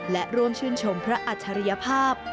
และร่วมชื่นชมพระอัจฉริยภาพ